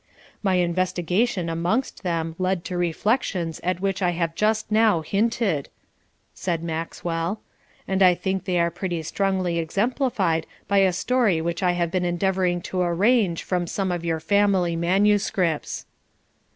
'My investigation amongst them led to reflections at which I have just now hinted,' said Maxwell; 'and I think they are pretty strongly exemplified by a story which I have been endeavouring to arrange from some of your family manuscripts.'